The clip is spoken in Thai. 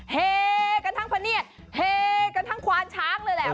เฮกันทั้งพะเนียดเฮกันทั้งควานช้างเลยแหละ